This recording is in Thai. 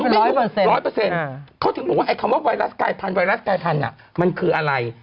เป็นร้อยเปอร์เซ็นต์ร้อยเปอร์เซ็นต์เขาถึงรู้ว่าไอ้คำว่าไวรัสกายทันไวรัสกายทันมันคืออะไร